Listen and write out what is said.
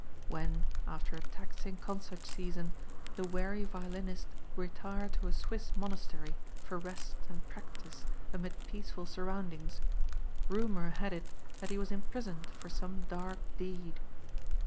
When, after a taxing concert season, the weary violinist retired to a Swiss monastery for rest and practice amid peaceful surroundings, rumor had it that he was imprisoned for some dark deed.